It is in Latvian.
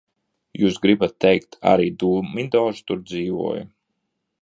Jūs gribat teikt, arī Dumidors tur dzīvoja?